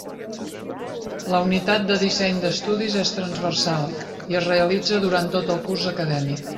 La unitat de disseny d'estudis és transversal i es realitza durant tot el curs acadèmic.